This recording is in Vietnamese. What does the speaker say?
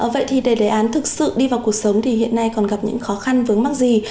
vậy thì để đề án thực sự đi vào cuộc sống thì hiện nay còn gặp những khó khăn vướng mắc gì